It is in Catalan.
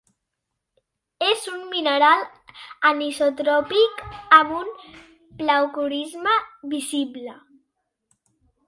És un mineral anisotròpic amb un pleocroisme visible.